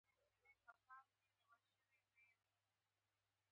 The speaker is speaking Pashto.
ناارادي يې موږ په واقعيت نه، په خيال پورې تړو.